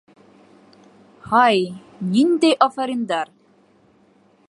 Һай, ниндәй афариндар!